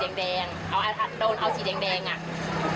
ดิกเรียกว่าสามเด็กใส่เลยครับเป็นแล้ว